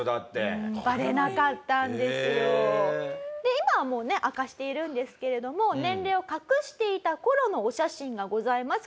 今はもうね明かしているんですけれども年齢を隠していた頃のお写真がございます。